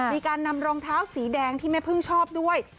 มีการนำรองเท้าสีแดงที่แม่พึ่งชอบด้วย